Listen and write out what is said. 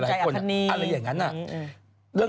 อันนี้อย่างนั้น